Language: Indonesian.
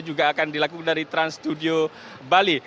juga akan dilakukan dari trans studio bali